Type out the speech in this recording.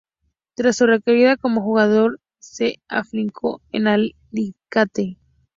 Tras su retirada como jugador se afincó en Alicante.